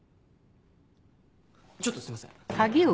ちょっとすいません。